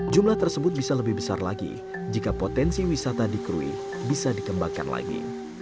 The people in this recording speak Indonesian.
jumlah tersebut bisa lebih besar lagi jika potensi wisata di krui bisa dikembangkan lagi